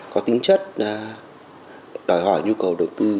có tính chất đòi hỏi nhu cầu đầu tư